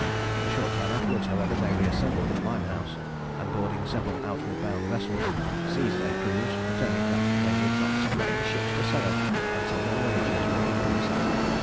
A short time afterwards, however, they re assembled at Limehouse, and boarding several outward bound vessels, seized their crews, pretending that they would not suffer any ships to sail until their wages were increased.